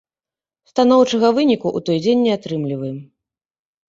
Станоўчага выніку ў той дзень не атрымліваем.